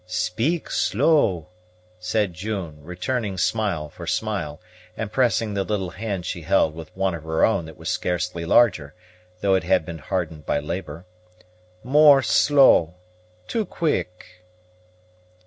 "Speak slow," said June, returning smile for smile, and pressing the little hand she held with one of her own that was scarcely larger, though it had been hardened by labor; "more slow too quick."